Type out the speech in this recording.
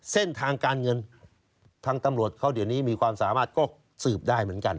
เส้นทางการเงินทางตำรวจเขาเดี๋ยวนี้มีความสามารถก็สืบได้เหมือนกัน